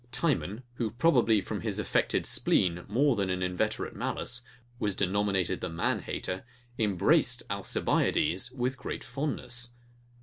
Timon, who probably from his affected spleen more than an inveterate malice, was denominated the manhater, embraced Alcibiades with great fondness.